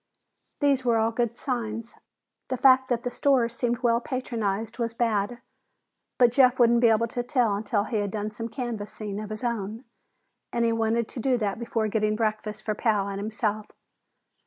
These were all good signs. The fact that the stores seemed well patronized was bad, but Jeff wouldn't be able to tell until he had done some canvassing of his own, and he wanted to do that before getting breakfast for Pal and himself.